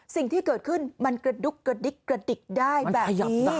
สิ่งที่เกิดขึ้นมันกระดุ๊กกระดิกกระดิกได้แบบนี้